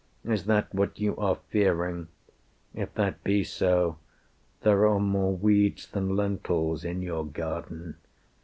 Is that what you are fearing? If that be so, There are more weeds than lentils in your garden.